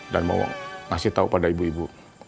dan mau ngasih tau pada ibu ibu